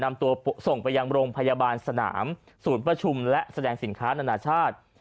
นำตัวส่งไปยังโรงพยาบาลสนามศูนย์ประชุมและแสดงสินค้านานาชาติ